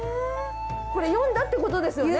これ読んだってことですよね？